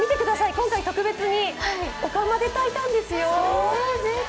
今回、特別にお釜で炊いたんですよ！